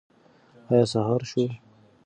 ایا سهار شو؟